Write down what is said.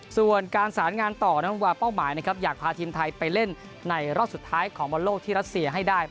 ส่วนการสารงานต่อนักวาเป้าหมายนะครับอยากพาทีมไทยไปเล่นในรอบสุดท้ายของบอลโลกที่รัสเซียให้ได้